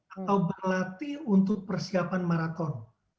atau berlatih untuk persiapan maraton